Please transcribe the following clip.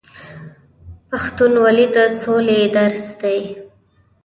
پښتونولي د سولې درس دی.